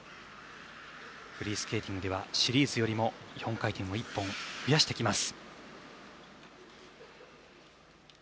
フリースケーティングではシリーズよりも４回転を１本増やしてきます。